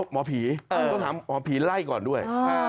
หมอผีก็หาหมอผีไล่ก่อนด้วย